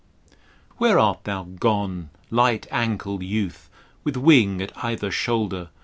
Where art thou gone, light ankled Youth ? With wing at either shoulder.